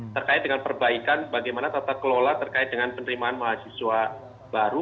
terkait dengan perbaikan bagaimana tata kelola terkait dengan penerimaan mahasiswa baru